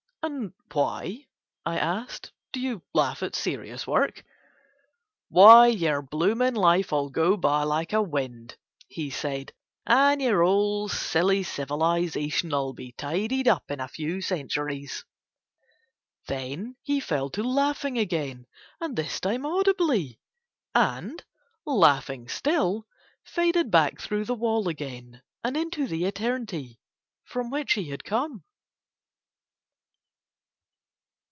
"And why," I asked, "do you laugh at serious work?" "Why, yer bloomin' life 'ull go by like a wind," he said, "and yer 'ole silly civilization 'ull be tidied up in a few centuries." Then he fell to laughing again and this time audibly; and, laughing still, faded back through the wall again and into the eternity from which he had come.